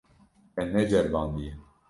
Te neceribandiye.